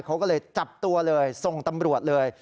เขาก็เลยจับตัวเลยส่งตำรวจเลย